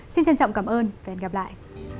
xin trân trọng cảm ơn và hẹn gặp lại